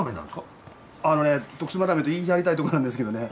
あのね徳島ラーメンと言い張りたいとこなんですけどね